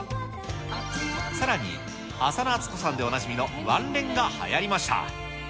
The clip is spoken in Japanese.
さらに、浅野温子さんでおなじみのワンレンがはやりました。